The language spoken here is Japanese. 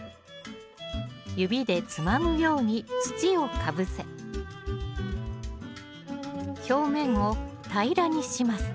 指でつまむように土をかぶせ表面を平らにします